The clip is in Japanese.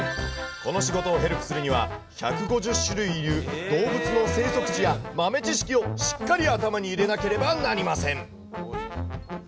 この仕事をヘルプするには、１５０種類いる動物の生息地や、豆知識をしっかり頭に入れなければなりません。